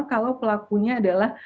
kalau pelakunya adalah